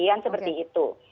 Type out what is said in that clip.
yang seperti itu